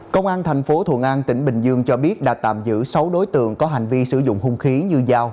công an tp hcm tỉnh bình dương cho biết đã tạm giữ sáu đối tượng có hành vi sử dụng hung khí như dao